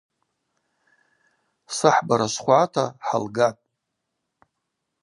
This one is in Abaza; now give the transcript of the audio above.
Сахӏбара швхвгӏата, хӏалгатӏ.